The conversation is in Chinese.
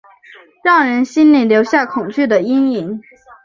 让人心里留下恐惧的阴影